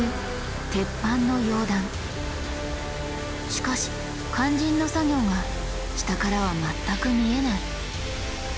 しかし肝心の作業が下からは全く見えない。